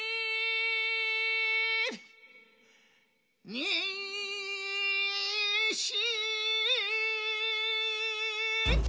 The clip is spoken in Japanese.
にし。